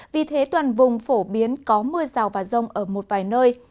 vì thế toàn vùng phổ biến có mưa rào và rông ở một vài nơi